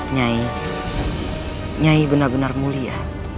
nyai nyai benar benar mulia